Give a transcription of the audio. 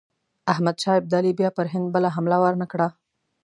احمدشاه ابدالي بیا پر هند بله حمله ونه کړه.